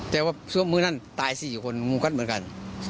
แต่ว่ามื้อนั่นตาย๔คนมึงเหมือนกัน